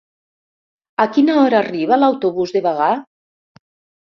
A quina hora arriba l'autobús de Bagà?